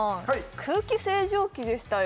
空気清浄機でしたよ